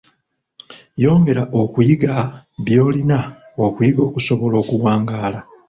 Yongera okuyiga by’olina okuyiga okusobola okuwangaala.